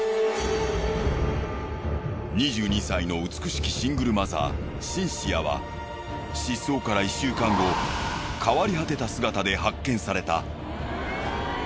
２２歳の美しきシングルマザーシンシアは失踪から１週間後変わり果てた姿で発見された。